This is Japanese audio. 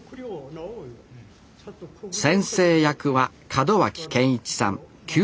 先生役は門脇憲一さん９０歳。